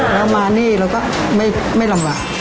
แล้วมานี่เราก็ไม่ลำบาก